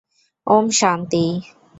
ওম, - শান্তি।